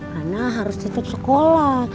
karena harus tetap sekolah